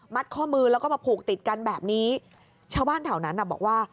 ข้อมือแล้วก็มาผูกติดกันแบบนี้ชาวบ้านแถวนั้นอ่ะบอกว่า